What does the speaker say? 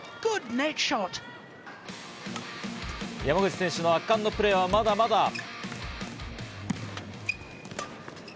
山口選手の圧巻のプレーはまだまだ。